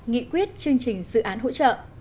nghị quyết chương trình dự án hỗ trợ